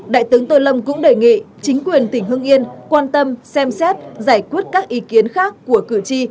đại tướng tô lâm cũng đề nghị chính quyền tỉnh hương yên quan tâm xem xét giải quyết các ý kiến khác của cử tri